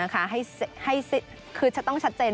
คือจะต้องชัดเจน